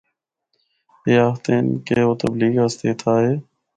اے آخدے ہن کہ او تبلیغ اسطے اِتھا آئے۔